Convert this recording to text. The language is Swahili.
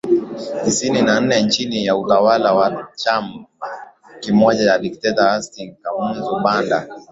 tisini na nne chini ya utawala wa chama kimoja wa dikteta Hastings Kamuzu Banda